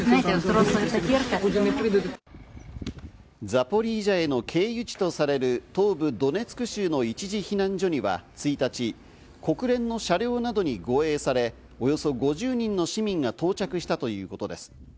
ザポリージャへの経由地とされる、東部ドネツク州の一時避難所には１日、国連の車両などに護衛され、およそ５０人の市民が到着したということです。